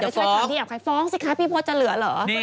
ถ้าใครที่อยากขายฟองสิคะพี่โปรดจะเหลือเหรอ